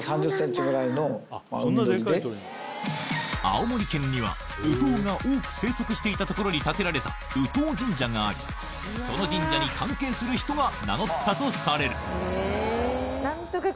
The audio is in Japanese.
青森県にはウトウが多く生息していた所に建てられた善知鳥神社がありその神社に関係する人が名乗ったとされるいつの間にか。